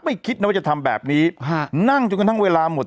คิดนะว่าจะทำแบบนี้ฮะนั่งจนกระทั่งเวลาหมด